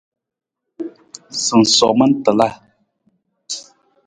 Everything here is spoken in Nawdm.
Sinsoman tiila.